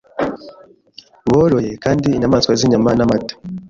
Boroye kandi inyamaswa zinyama n'amata.